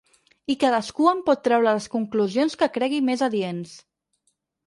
I cadascú en pot treure les conclusions que cregui més adients.